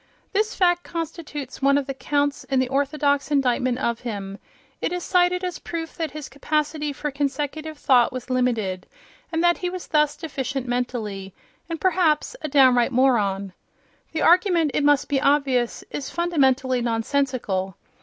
This fact constitutes one of the counts in the orthodox indictment of him: it is cited as proof that his capacity for consecutive thought was limited, and that he was thus deficient mentally, and perhaps a downright moron. The argument, it must be obvious, is fundamentally nonsensical.